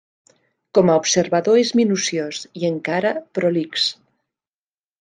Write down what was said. Com a observador és minuciós i encara prolix.